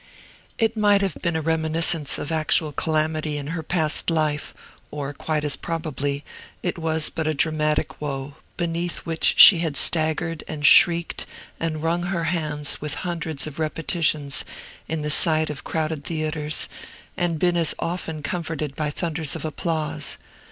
It might have been a reminiscence of actual calamity in her past life, or, quite as probably, it was but a dramatic woe, beneath which she had staggered and shrieked and wrung her hands with hundreds of repetitions in the sight of crowded theatres, and been as often comforted by thunders of applause.